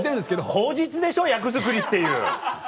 口実でしょ役作りっていう。